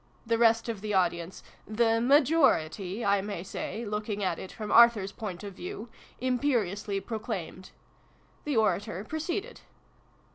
the rest of the audience the majority, I may say, looking at it from Arthur's point of view imperiously proclaimed. The orator proceeded.